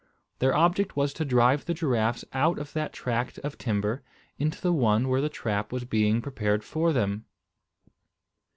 Their object was to drive the giraffes out of that tract of timber into the one where the trap was being prepared for them.